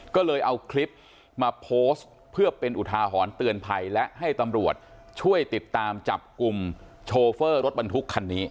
ก็เลยเอาคลิปมาโพสต์เพื่อเป็นอุทาหรณ์เตือนภัยและให้ตำรวจช่วยติดตามจับกลุ่มโชเฟอร์รถบรรทุกคันนี้